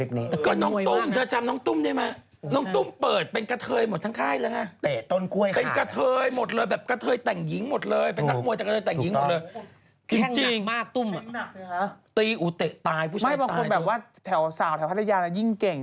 กะเทยแต่งหญิงหมดเลย